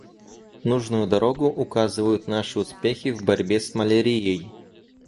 Нужную дорогу указывают наши успехи в борьбе с малярией.